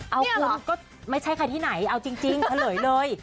เอาคุณก็ไม่ใช่ใครที่ไหนเอาจริงเฉลยเลย